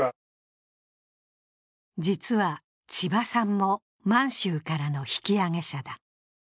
実は、ちばさんも満州からの引揚者だ。